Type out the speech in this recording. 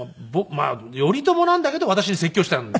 まあ頼朝なんだけど私に説教したんですよね。